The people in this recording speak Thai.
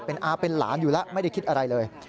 เป็นอาเป็นหลานอยู่แล้วไม่ได้คิดอะไรเลย